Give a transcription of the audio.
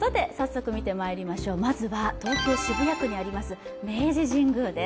まずは、東京・渋谷区にあります明治神宮です。